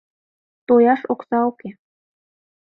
— Тояш окса уке...